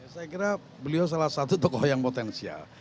saya kira beliau salah satu tokoh yang potensial